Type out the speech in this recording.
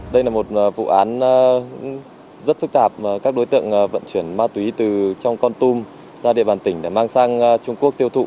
đây là một vụ án rất phức tạp các đối tượng vận chuyển ma túy từ trong con tum ra địa bàn tỉnh để mang sang trung quốc tiêu thụ